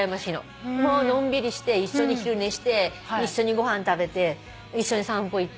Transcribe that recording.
のんびりして一緒に昼寝して一緒にご飯食べて一緒に散歩行って。